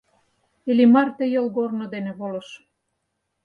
Иллимар ты йолгорно дене волыш.